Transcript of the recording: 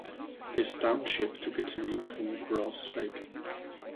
This township took its name from Grass Lake.